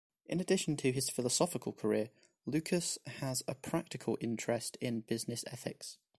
In addition to his philosophical career, Lucas has a practical interest in business ethics.